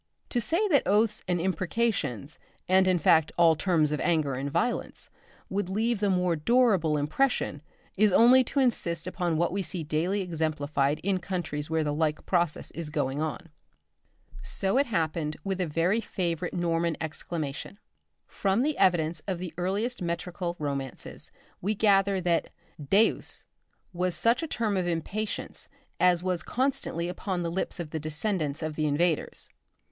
To say that oaths and imprecations, and in fact all terms of anger and violence, would leave the more durable impression, is only to insist upon what we see daily exemplified in countries where the like process is going on. So it happened with a very favourite Norman exclamation. From the evidence of the earliest metrical romances we gather that Deus! was such a term of impatience as was constantly upon the lips of the descendants of the invaders.